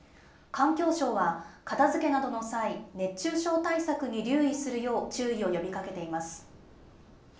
環境省は、片づけなどの際、熱中症対策に留意するよう注意を呼びかけています。